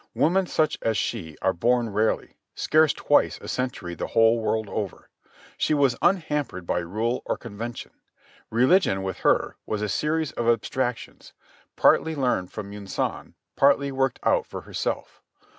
Women such as she are born rarely, scarce twice a century the whole world over. She was unhampered by rule or convention. Religion, with her, was a series of abstractions, partly learned from Yunsan, partly worked out for herself.